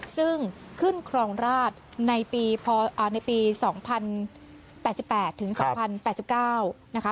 ซึ่งขึ้นครองราชในปี๒๐๘๘ถึง๒๐๘๙นะคะ